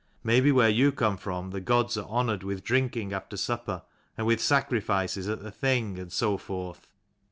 Maybe where you come from, the gods are honoured with drinking after supper, and with sacrifices at the Thing, and so forth